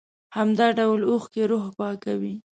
همدا ډول اوښکې روح پاکوي.